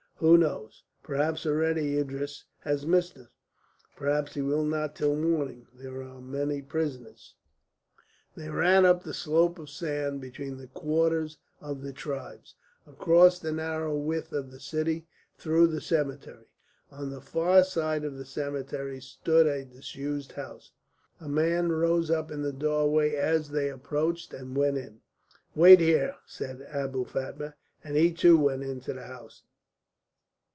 "Who knows? Perhaps already Idris has missed us. Perhaps he will not till morning. There are many prisoners." They ran up the slope of sand, between the quarters of the tribes, across the narrow width of the city, through the cemetery. On the far side of the cemetery stood a disused house; a man rose up in the doorway as they approached, and went in. "Wait here," said Abou Fatma, and he too went into the house.